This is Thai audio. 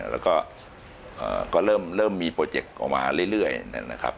แล้วก็เริ่มมีโปรเจคออกมาเรื่อยนะครับ